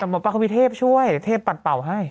แต่หมอปลาเขามีเทพช่วยเทพปัดเป่าให้